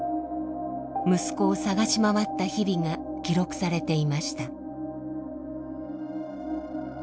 息子を捜し回った日々が記録されていました。